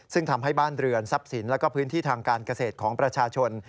ซึ่งทำให้บ้านเรือนทรัพย์สินและพื้นที่ทางการเกษตรของประชาชน